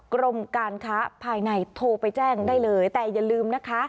กรมการค้าภายในโทรไปแจ้งได้เลยแต่อย่าลืมนะคะ